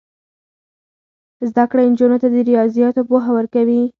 زده کړه نجونو ته د ریاضیاتو پوهه ورکوي.